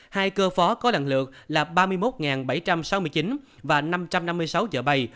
hai cơ phó có lần lượt là ba mươi một bảy trăm sáu mươi chín và năm trăm năm mươi sáu chợ bay